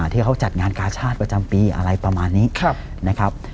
ที่เขาจัดงานกาชาติประจำปีอะไรประมาณนี้นะครับ